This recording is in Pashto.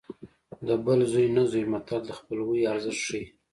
د بل زوی نه زوی متل د خپلوۍ ارزښت ښيي